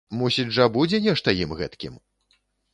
Мусіць жа, будзе нешта ім, гэткім?